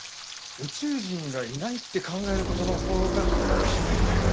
宇宙人がいないって考える事のほうが不自然だよ。